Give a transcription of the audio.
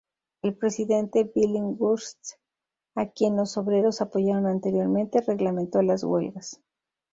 El Presidente Billinghurst, a quien los obreros apoyaron anteriormente, reglamentó las huelgas.